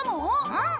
うん！